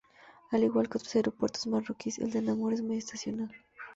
Al igual que otros aeropuertos marroquíes el de Nador es muy estacional.